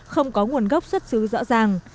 không có nguồn gốc xuất xứ rõ ràng